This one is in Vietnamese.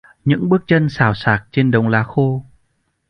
Những bước chân xào xạc trên đống lá khô